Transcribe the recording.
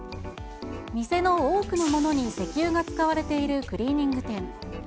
店の多くのものに石油が使われているクリーニング店。